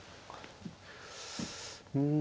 うん